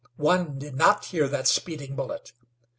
One did not hear that speeding bullet.